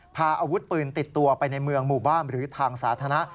พาอาวุธปืนติดตัวไปในเมืองหมู่บ้านหรือทางสาธารณะ